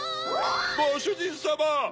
ごしゅじんさま！